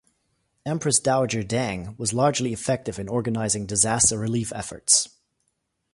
Empress Dowager Deng was largely effective in organizing disaster relief efforts.